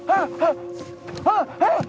あっあっ！